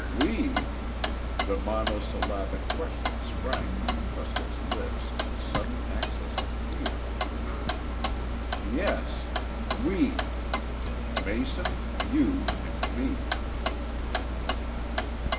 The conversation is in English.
"We?" The monosyllabic question sprang from Truscott's lips in a sudden access of fear. "Yes. We. Mason, you, and me."